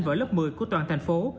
vào lớp một mươi của toàn thành phố